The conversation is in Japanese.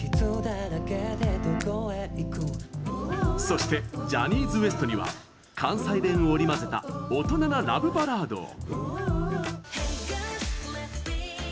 そしてジャニーズ ＷＥＳＴ には関西弁を織り交ぜた大人なラブバラードを。